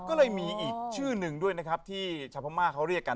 ก็เลยมีอีกชื่อหนึ่งด้วยนะครับที่ชาวพม่าเขาเรียกกัน